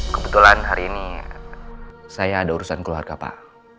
kebetulan hari ini saya ada urusan keluarga pak